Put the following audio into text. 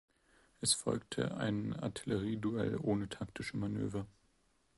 Es folgte ein Artillerieduell ohne taktische Manöver.